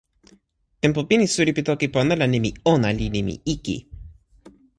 tenpo pini suli pi toki pona la nimi "ona" li nimi "iki".